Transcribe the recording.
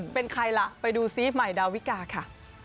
เป็นใครล่ะไปดูซิใหม่ดาวิกาค่ะ